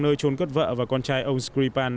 nơi trốn cất vợ và con trai ông skripal